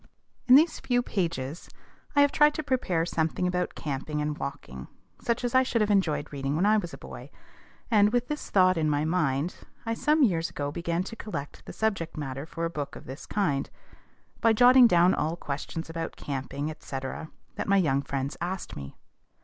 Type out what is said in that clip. In these few pages I have tried to prepare something about camping and walking, such as I should have enjoyed reading when I was a boy; and, with this thought in my mind, I some years ago began to collect the subject matter for a book of this kind, by jotting down all questions about camping, &c., that my young friends asked me.